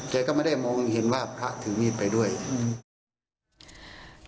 แกก็ไม่ได้มองเห็นว่าพระถือมีดไปด้วยอืม